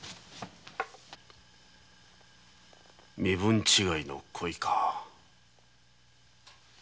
「身分違いの恋」か。